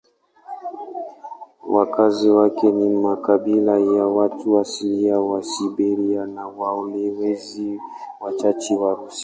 Wakazi wake ni makabila ya watu asilia wa Siberia na walowezi wachache Warusi.